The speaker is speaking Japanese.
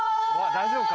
大丈夫か？